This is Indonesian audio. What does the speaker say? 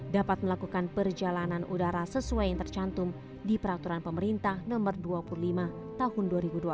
dapat melakukan perjalanan udara sesuai yang tercantum di peraturan pemerintah no dua puluh lima tahun dua ribu dua puluh